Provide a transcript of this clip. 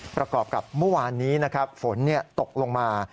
ประกอบกับเมื่อวานนี้ฝนตกลงมา